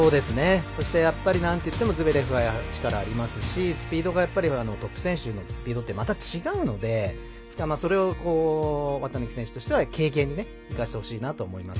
そして、なんといってもズベレフは力ありますしスピードがトップ選手のスピードってまた違うので、それを綿貫選手としては経験に生かしてほしいなと思います。